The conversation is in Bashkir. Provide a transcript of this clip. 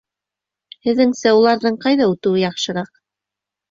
Һеҙҙеңсә, уларҙың ҡайҙа үтеүе яҡшыраҡ?